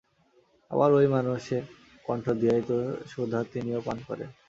আবার ঐ মানুষের কণ্ঠ দিয়াই তো সুধা তিনিও পান করেন।